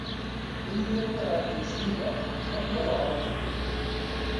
Ad iyi-yawi ɣer tmezgida akken ad ɣren fell-i.